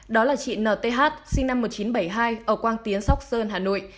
đó là chị n t h sinh năm một nghìn chín trăm bảy mươi hai ở quang tiến sóc sơn hà nội